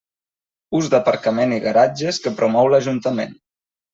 Ús d'aparcament i garatges que promou l'Ajuntament.